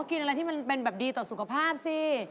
กินอะไรที่ดีต่อสุขภาพสิ